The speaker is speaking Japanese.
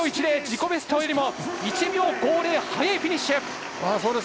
自己ベストよりも１秒５０早いフィニッシュ。